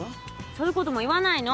そういうことも言わないの。